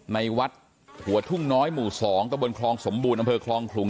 ในวัดหัวทุ่งน้อยหมู่๒ตะบนคลองสมบูรณ์อำเภอคลองขลุง